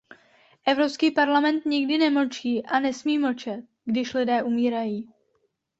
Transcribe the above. Evropský parlament nikdy nemlčí a nesmí mlčet, když lidé umírají.